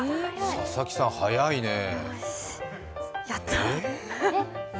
佐々木さん、早いねぇ。